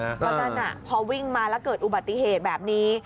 เพราะนั่นพอวิ่งมาแล้วเกิดอุบัติเหตุแบบนี้